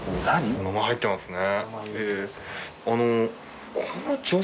名前入ってますね。